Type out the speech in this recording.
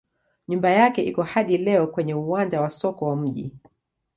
Nyumba yake iko hadi leo kwenye uwanja wa soko wa mji.